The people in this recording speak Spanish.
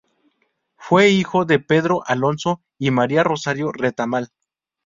Fue hijo de Pedro Alonzo y María Rosario Retamal.